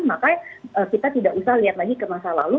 maka kita tidak usah lihat lagi ke masa lalu